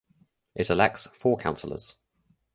It elects four Councillors.